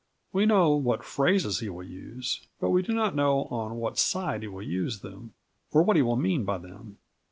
We know what phrases he will use, but we do not know on what side he will use them, or what he will mean by them.